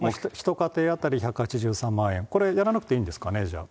１家庭当たり１８３万円、これ、やらなくていいんですかね、じゃあ。